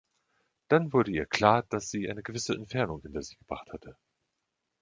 Dann wurde ihr klar, dass sie eine gewisse Entfernung hinter sich gebracht hatte.